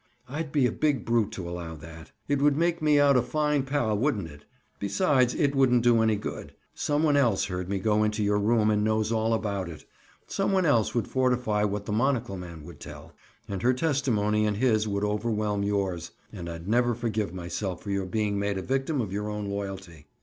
I'd be a big brute to allow that. It would make me out a fine pal, wouldn't it? Besides, it wouldn't do any good. Some one else heard me go into your room and knows all about it. Some one else would fortify what the monocle man would tell. And her testimony and his would overwhelm yours. And I'd never forgive myself for your being made a victim of your own loyalty."